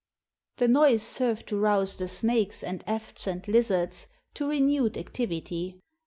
The noise served to rouse the snakes, and efts, and lizards to renewed activity.